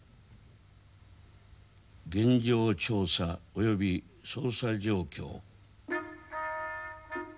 「現状調査及び捜査情況。